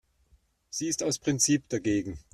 Sie ist aus Prinzip dagegen.